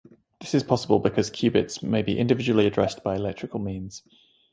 This is possible because qubits may be individually addressed by electrical means.